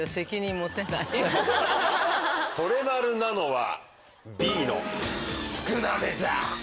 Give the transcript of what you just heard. ソレマルなのはＢの少なめだ！